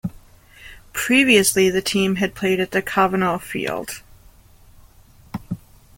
Previously the team had played at Kavanaugh Field.